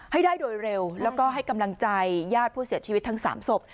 ให้ได้โดยเร็วแล้วก็ให้กำลังใจญาติผู้เสียชีวิตทั้ง๓ศพ